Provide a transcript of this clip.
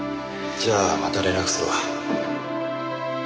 じゃあまた連絡するわ。